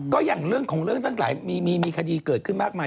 ก็แห่งของเรื่องตั้งแต่หลายมีฆดีเกิดขึ้นมากมาย